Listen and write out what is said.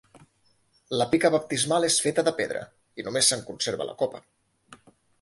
La pica baptismal és feta de pedra, i només se'n conserva la copa.